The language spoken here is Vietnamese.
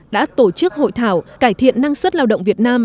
đã tổ chức hội thảo cải thiện năng suất lao động việt nam